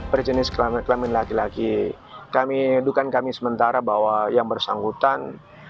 berjenis kelamin kelamin laki laki kami dukan kami sementara bahwa yang bersangkutan